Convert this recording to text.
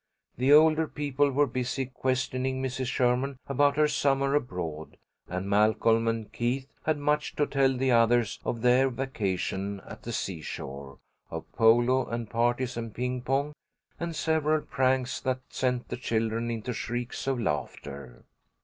The older people were busy questioning Mrs. Sherman about her summer abroad, and Malcolm and Keith had much to tell the others of their vacation at the seashore; of polo and parties and ping pong, and several pranks that sent the children into shrieks of laughter.